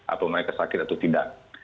atau mereka sakit atau tidak